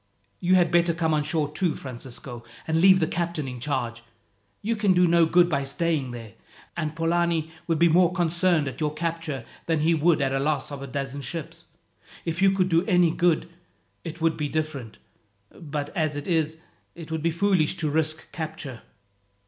"You had better come on shore too, Francisco, and leave the captain in charge. You can do no good by staying there; and Polani would be more concerned at your capture than he would at the loss of a dozen ships. If you could do any good, it would be different; but as it is, it would be foolish to risk capture."